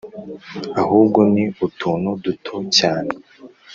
ahubwo ni utuntu duto cyane